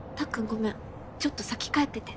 ごめんちょっと先帰ってて。